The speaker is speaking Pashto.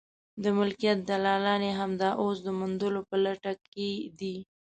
د ملکیت دلالان یې همدا اوس د موندلو په لټه کې دي.